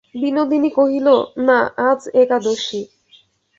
বিনোদিনী কহিল, না, আজ একাদশী।